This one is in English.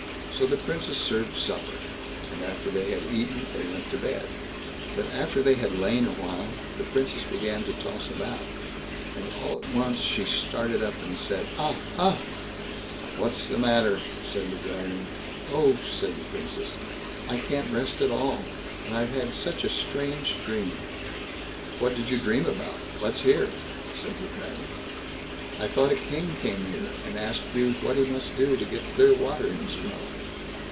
So the Princess served supper; and after they had eaten, they went to bed. But after they had lain a while, the Princess began to toss about, and all at once she started up and said: "Ah! ah!" "What's the matter?" said the Dragon. "Oh", said the Princess, "I can't rest at all, and I've had such a strange dream." "What did you dream about? Let's hear?" said the Dragon. "I thought a king came here, and asked you what he must do to get clear water in his well."